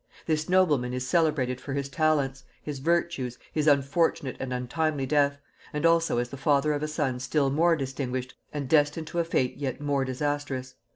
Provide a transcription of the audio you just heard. This nobleman is celebrated for his talents, his virtues, his unfortunate and untimely death, and also as the father of a son still more distinguished and destined to a fate yet more disastrous.